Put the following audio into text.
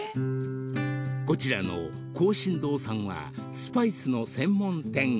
［こちらの香辛堂さんはスパイスの専門店］